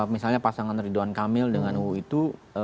misalnya pasangan ridwan kamil dengan uu itu